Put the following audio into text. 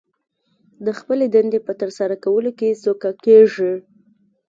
د خپلې دندې په ترسره کولو کې سوکه کېږي